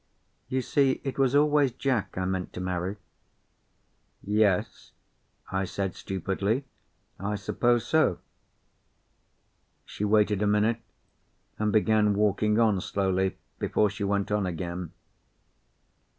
You see it was always Jack I meant to marry." "Yes," I said stupidly, "I suppose so." She waited a minute, and began walking on slowly before she went on again.